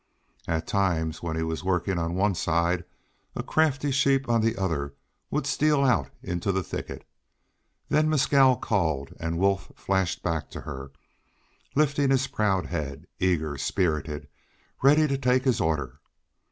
At times when he was working on one side a crafty sheep on the other would steal out into the thicket. Then Mescal called and Wolf flashed back to her, lifting his proud head, eager, spirited, ready to take his order.